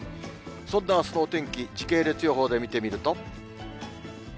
そんなあすのお天気、時系列予報で見てみると。